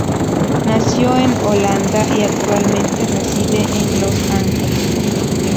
Nació en Holanda y actualmente reside en Los Ángeles.